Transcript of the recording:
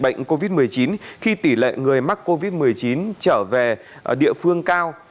tình hình dịch bệnh covid một mươi chín khi tỷ lệ người mắc covid một mươi chín trở về địa phương cao